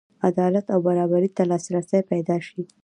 عدالت او برابرۍ ته لاسرسی پیدا شي.